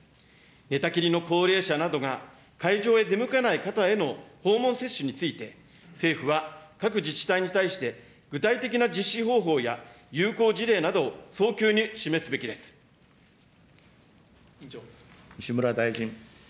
寝たきりの高齢者などが会場へ出向かない方への訪問接種について、政府は各自治体に対して具体的な実施方法や有効事例などを早急に西村大臣。